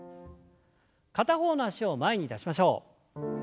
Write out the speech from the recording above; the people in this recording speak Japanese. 片方の脚を前に出しましょう。